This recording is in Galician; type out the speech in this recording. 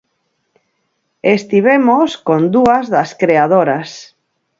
Estivemos con dúas das creadoras.